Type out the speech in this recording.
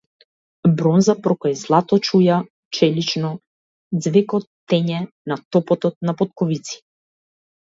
Бронза покрај злато чуја челично ѕвекотење на топот на потковици.